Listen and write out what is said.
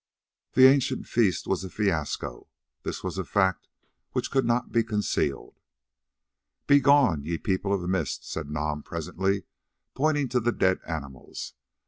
The ancient feast was a fiasco; this was a fact which could not be concealed. "Begone, ye People of the Mist," said Nam presently, pointing to the dead animals.